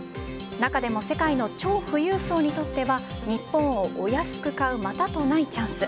中でも世界の超富裕層にとっては日本をお安く買うまたとないチャンス。